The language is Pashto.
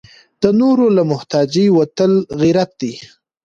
د نورو له محتاجۍ وتل غیرت دی.